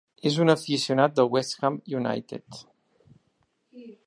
És un aficionat del West Ham United.